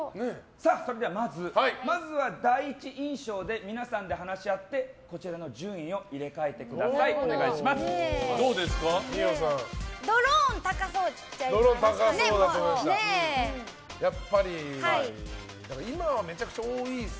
それではまず、第一印象で皆さんで話し合ってこちらの順位を入れ替えてくださいお願いします。